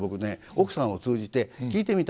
奥さんを通じて聞いてみたんです。